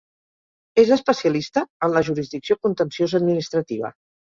És especialista en la jurisdicció contenciós-administrativa.